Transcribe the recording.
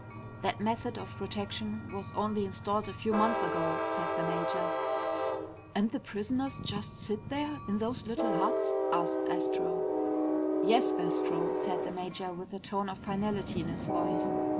"That method of protection was only installed a few months ago," said the major. "And the prisoners just sit there in those little huts?" asked Astro. "Yes, Astro!" said the major with a tone of finality in his voice.